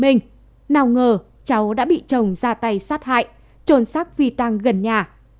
không tin nào ngờ cháu đã bị chồng ra tay sát hại trồn sát phi tăng gần nhà